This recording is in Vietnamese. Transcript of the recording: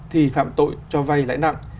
thì phạm tội cho vay lại nặng